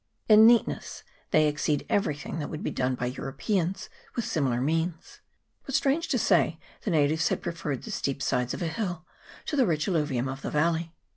In neatness they exceed every thing that would be done by Europeans with similar means ; but, strange to say, the natives had preferred the steep sides of a hill to the rich allu vium of the valley.